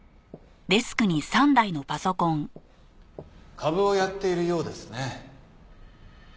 株をやっているようですね。